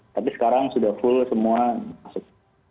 tapi sekarang sudah full semua masuk